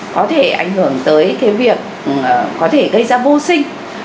có thể ảnh hưởng tới cái việc có thể gây ra vô sinh